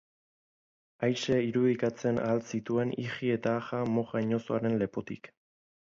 Aise irudikatzen ahal zituen iji eta aja moja inozoaren lepotik.